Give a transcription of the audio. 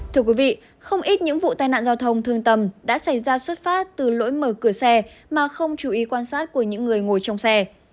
thưa quý vị không ít những vụ tai nạn giao thông thương tầm đã xảy ra xuất phát từ lỗi mở cửa xe mà không chú ý quan sát của những người ngồi trong xe